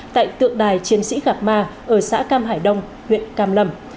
tại tượng đài chiến sĩ gạc ma ở xã cam hải đông huyện cam lâm